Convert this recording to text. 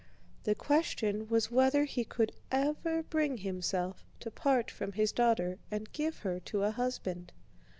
The question was whether he could ever bring himself to part from his daughter and give her to a husband.